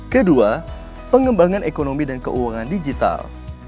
kedua pengembangan ekonomi dan keuangan digital